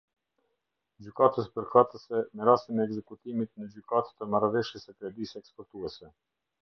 Gjykatës përkatëse, me rastin e ekzekutimit në gjykatë të Marrëveshjes së Kredisë Eksportuese.